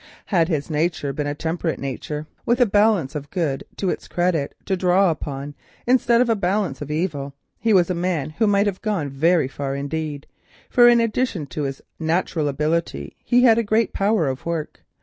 Had his nature been a temperate nature with a balance of good to its credit to draw upon instead of a balance of evil, he was a man who might have gone very far indeed, for in addition to his natural ability he had a great power of work.